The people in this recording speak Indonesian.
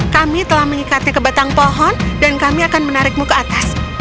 kami telah mengikatnya ke batang pohon dan kami akan menarikmu ke atas